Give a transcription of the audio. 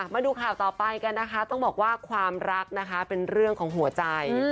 มาดูข่าวต่อไปกันนะคะต้องบอกว่าความรักนะคะเป็นเรื่องของหัวใจ